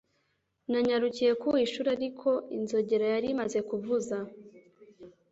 Nanyarukiye ku ishuri, ariko inzogera yari imaze kuvuza.